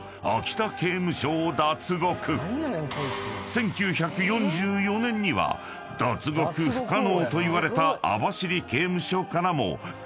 ［１９４４年には脱獄不可能といわれた網走刑務所からも脱獄］